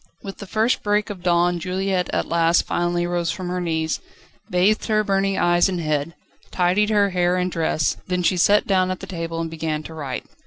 With the first break of dawn Juliette at last finally rose from her knees, bathed her burning eyes and head, tidied her hair and dress, then she sat down at the table, and began to write.